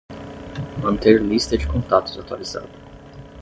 Manter lista de contatos atualizada.